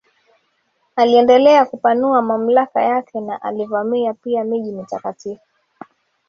aliendelea kupanua mamlaka yake na alivamia pia miji mitakatifu